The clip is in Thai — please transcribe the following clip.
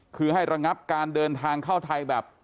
คือให้ระงับการเดินทางเข้าไทยแบบ